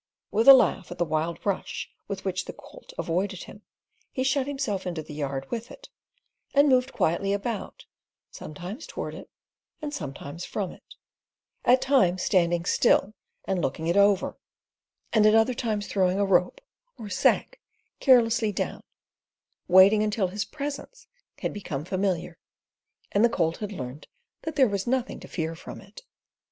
With a laugh at the wild rush with which the colt avoided him, he shut himself into the yard with it, and moved quietly about, sometimes towards it and sometimes from it; at times standing still and looking it over, and at other times throwing a rope or sack carelessly down, waiting until his presence had become familiar, and the colt had learned that there was nothing to fear from it.